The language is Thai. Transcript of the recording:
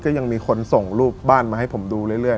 ยังมีคนส่งรูปบ้านมาให้ผมดูเรื่อย